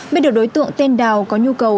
biết được đối tượng tên đào có nhu cầu